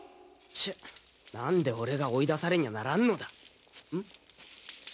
ちぇっ何で俺が追い出されにゃならんのだん？